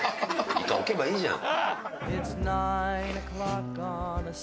１回置けばいいじゃん。